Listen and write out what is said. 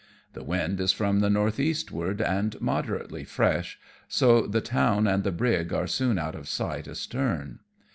The wind is from the north eastward and moderately fresh, so the town and the brig are soon out of sight astern.